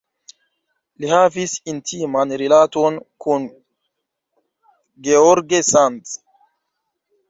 Li havis intiman rilaton kun George Sand.